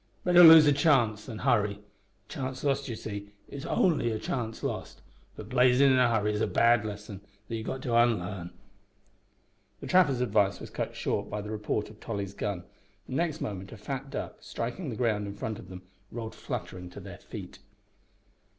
Better lose a chance than hurry. A chance lost you see, is only a chance lost, but blazin' in a hurry is a bad lesson that ye've got to unlarn." The trapper's advice was cut short by the report of Tolly's gun, and next moment a fat duck, striking the ground in front of them, rolled fluttering to their feet.